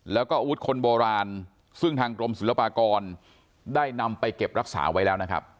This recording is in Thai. แล้วก็อาวุธคนโบราณซึ่งทางกรมศิลปากรได้นำไปเก็บรักษาไว้แล้วนะครับ